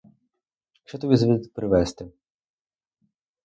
Що тобі звідти привезти?